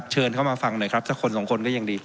เชิญเข้ามาฟังหน่อยครับสักคนสองคนก็ยังดี